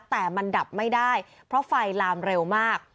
แต่มันดับไม่ได้เพราะไฟลามเร็วมาก